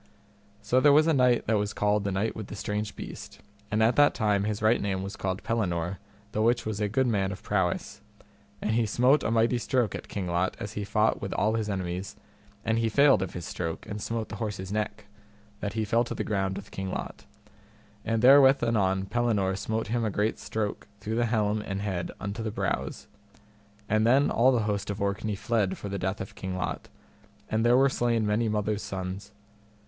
So there was a knight that was called the Knight with the Strange Beast, and at that time his right name was called Pellinore, the which was a good man of prowess, and he smote a mighty stroke at King Lot as he fought with all his enemies, and he failed of his stroke, and smote the horse's neck, that he fell to the ground with King Lot. And therewith anon Pellinore smote him a great stroke through the helm and head unto the brows. And then all the host of Orkney fled for the death of King Lot, and there were slain many mothers' sons.